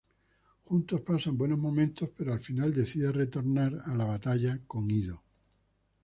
Juntos pasan buenos momentos pero al final decide retornar a la batalla, con Ido.